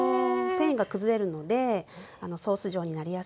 繊維が崩れるのでソース状になりやすいです。